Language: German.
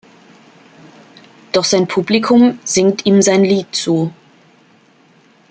Doch sein Publikum singt ihm sein Lied zu.